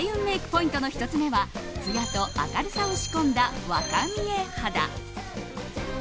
ポイントの１つ目はつやと明るさを仕込んだ若見え肌。